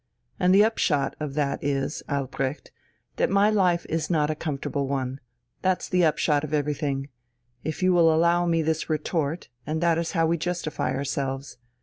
And the upshot of that is, Albrecht, that my life is not a comfortable one that's the upshot of everything if you will allow me this retort, and that is how we justify ourselves.